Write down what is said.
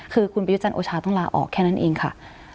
คือคุณประยุจันทร์โอชาต้องลาออกแค่นั้นเองค่ะ